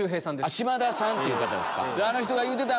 島田さんっていう方ですか。